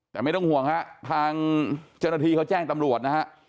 แต่ไม่ต้องห่วงฮะทางจริงเขาแจ้งตำรวจนะฮะ